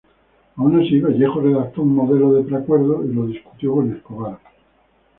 Aun así, Vallejo redactó un modelo de preacuerdo y lo discutió con Escobar.